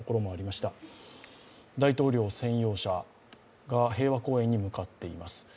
大統領専用車が平和公園に向かっています。